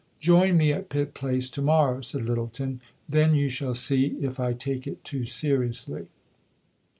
"Join me at Pit Place to morrow," said Lyttelton. "Then you shall see if I take it too seriously."